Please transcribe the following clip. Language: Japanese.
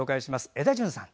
エダジュンさん。